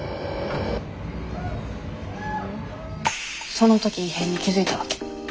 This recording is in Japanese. その時異変に気付いたわけ。